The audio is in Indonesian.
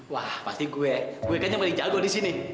wah pasti gue gue kan yang paling jago disini